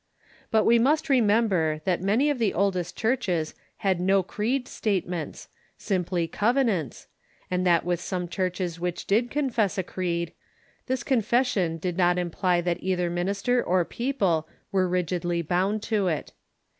But we must remember that many of the oldest churches had no creed statements, simply covenants, and that with some churches which did confess a creed this confession did not imply that either minister or people were rigidly bound to it.